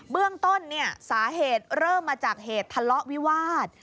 เบื้องต้นสาเหตุเริ่มมาจากเหตุทะเลาะวิวาส